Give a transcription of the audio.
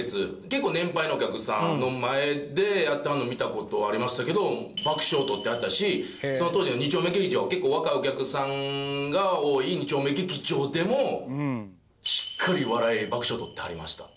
結構年配のお客さんの前でやってはるの見た事ありましたけど爆笑をとってはったしその当時の２丁目劇場結構若いお客さんが多い２丁目劇場でもしっかり笑い爆笑とってはりました。